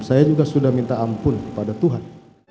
saya juga sudah minta ampun kepada tuhan